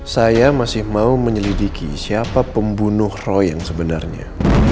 saya masih mau menyelidiki siapa pembunuh roy yang sebenarnya